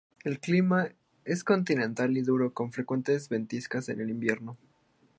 El clima es continental y duro, con frecuentes ventiscas en el invierno.